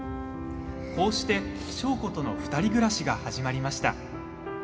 こうして、祥子との２人暮らしが始まりました。